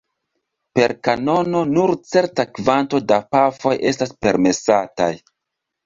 Per kanono nur certa kvanto da pafoj estas permesataj.